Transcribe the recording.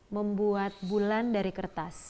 membuat bulan dari kertas